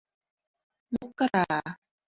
มกรา